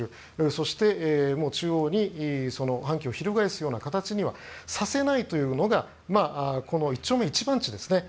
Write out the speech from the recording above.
そして、中央に反旗を翻すような形にはさせないというのがこの一丁目一番地ですね。